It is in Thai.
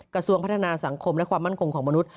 กระทรวงพัฒนาสังคมและความมั่นคงของมนุษย